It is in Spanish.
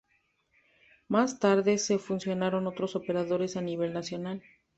Más tarde se fusionaron otros operadores a nivel nacional.